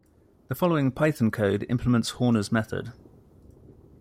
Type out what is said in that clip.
The following Python code implements Horner's method.